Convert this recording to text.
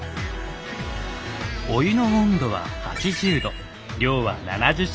お湯の温度は８０度量は７０ｃｃ。